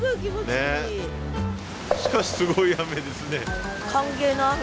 しかしすごい雨ですね。